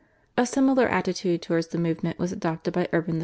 A similar attitude towards the movement was adopted by Urban V.